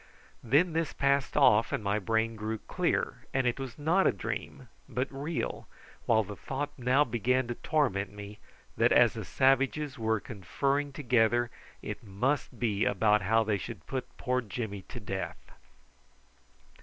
Then this passed off and my brain grew clear, and it was not a dream, but real, while the thought now began to torment me, that as the savages were conferring together it must be about how they should put poor Jimmy to death.